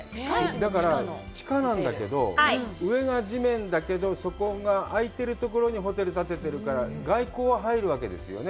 だから地下なんだけど、上が地面だけど、そこがあいてるところにホテルを建ててるから、外光は入るわけですよね。